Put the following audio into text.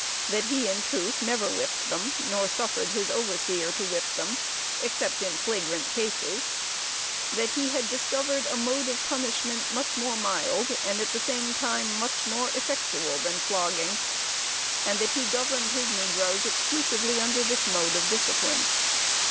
That he, in truth, never whipped them, nor suffered his overseer to whip them, except in flagrant cases. That he had discovered a mode of punishment much more mild, and, at the same time, much more effectual than flogging; and that he governed his negroes exclusively under this mode of discipline.